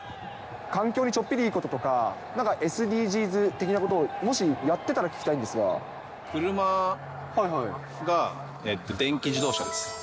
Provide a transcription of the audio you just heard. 環境にちょっぴりいいこととか、なんか、ＳＤＧｓ的なことを、車が電気自動車です。